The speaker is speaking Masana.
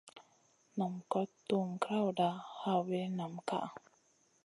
Nam kot tuhm grawda, ha wilin nam ka.